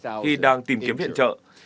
tổng thư ký đang tìm kiếm viện trợ